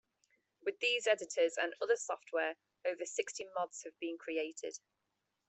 With these editors and other software, over sixty mods have been created.